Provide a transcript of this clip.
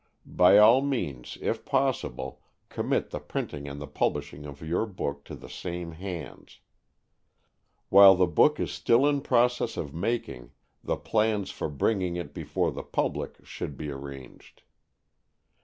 By all means, if possible, commit the printing and the publishing of your book to the same hands. While the book is still in process of making, the plans for bringing it before the public should be arranged.